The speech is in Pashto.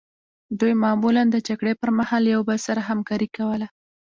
دوی معمولا د جګړې پرمهال له یو بل سره همکاري کوله